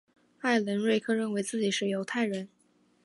艾伦瑞克认为自己是犹太人。